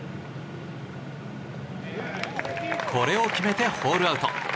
これを決めてホールアウト。